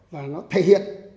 và nó thể hiện